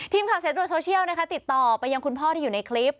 ทีมข่าวเซ็ตโดยโซเชียลติดต่อไปยังคุณพ่อที่อยู่ในคลิป